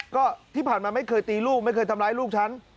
ก็ที่ผ่านมาไม่เคยตีลูกไม่เคยทำร้ายลูกฉัน